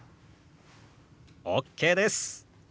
ＯＫです！